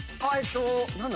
何だ？